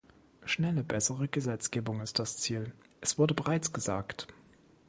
Schnelle, bessere Gesetzgebung ist das Ziel, es wurde bereits gesagt.